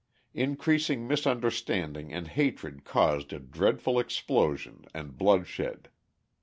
Increasing misunderstanding and hatred caused a dreadful explosion and bloodshed.